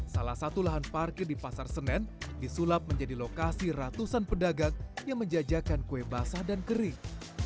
salah satu lahan parkir di pasar senen disulap menjadi lokasi ratusan pedagang yang menjajakan kue basah dan kering